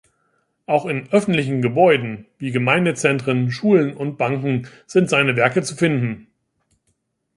Auch in öffentlichen Gebäuden, wie Gemeindezentren, Schulen und Banken sind seine Werke zu finden.